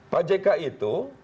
pak jk itu